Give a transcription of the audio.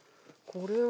これは。